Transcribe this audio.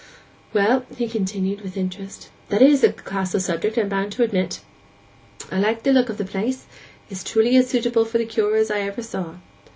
'Well,' he continued, with interest, 'that is the class o' subject, I'm bound to admit! I like the look of the place; it is truly as suitable for the cure as any I ever saw.